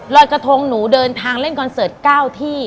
รอยกระทงหนูเดินทางเล่นคอนเสิร์ต๙ที่